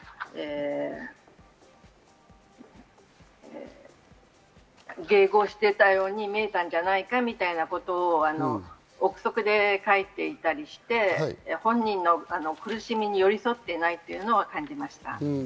例えば、本人はその時には迎合していたように見えていたんじゃないかというようなことを臆測で書いていたりして、本人の苦しみに寄り添っていないというのを感じました。